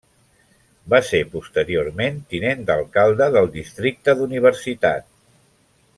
Va ser posteriorment tinent d'alcalde del districte d'Universitat.